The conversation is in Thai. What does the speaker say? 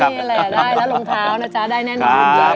นี่แหละได้แล้วรองเท้านะจ๊ะได้แน่นอน